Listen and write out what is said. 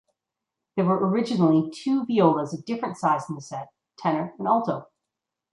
There were originally two violas of different size in the set (tenor and alto).